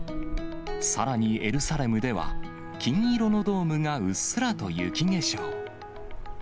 さらにエルサレムでは、金色のドームがうっすらと雪化粧。